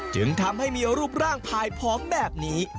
จึงทำให้มีรูปร่างพายผอมแบบนี้